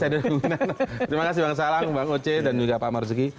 terima kasih bang salang bang oce dan juga pak marzuki